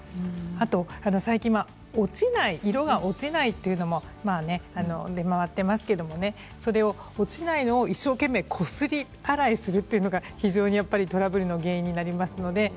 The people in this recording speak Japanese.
あと最近は色が落ちないというものも出回っていますけれどそれを落ちないのを一生懸命こすり洗いするということがトラブルの原因となっています。